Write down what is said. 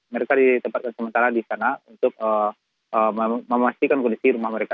mereka ditempatkan sementara di sana untuk memastikan kondisi rumah mereka